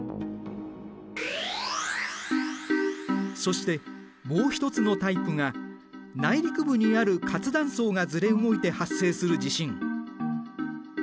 そしてもう一つのタイプが内陸部にある活断層がずれ動いて発生する地震。